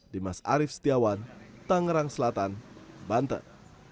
dimas arief setiawan tangerang selatan banten